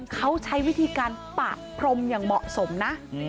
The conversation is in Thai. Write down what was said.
เขาใช้วิธีการปะพรมอย่างเหมาะสมนะ